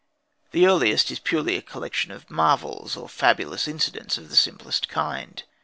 The earliest is purely a collection of marvels or fabulous incidents of the simplest kind.